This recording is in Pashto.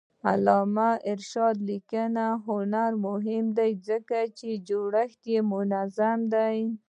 د علامه رشاد لیکنی هنر مهم دی ځکه چې جوړښت یې منظم دی.